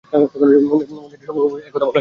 মন্দিরের সম্মুখ ভাগ পূর্ব দিকের সম্মুখীন।